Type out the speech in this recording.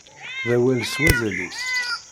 D awal s wazal-is.